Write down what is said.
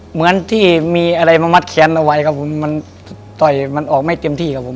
เหมือนที่มีอะไรมามัดแขนเอาไว้ครับผมมันต่อยมันออกไม่เต็มที่ครับผม